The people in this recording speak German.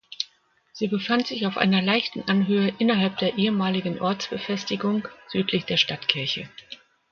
Sie befand sich auf einer leichten Anhöhe innerhalb der ehemaligen Ortsbefestigung südlich der Stadtkirche.